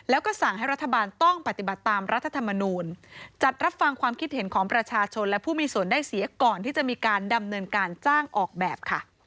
แล้วก็สั่งให้รัฐบาลต้องปฏิบัติตามรัฐธรรมนูญจัดรับฟังความคิดเห็นของประชาชนและผู้มีส่วนได้เสียก่อนที่จะมีการดำเนินการจ้างออกแบบค่ะ